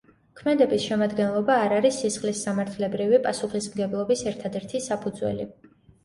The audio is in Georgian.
ქმედების შემადგენლობა არ არის სისხლისსამართლებრივი პასუხისმგებლობის ერთადერთი საფუძველი.